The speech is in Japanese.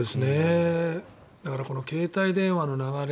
だからこの携帯電話の流れ